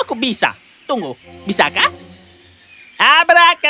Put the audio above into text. apa yang mengelak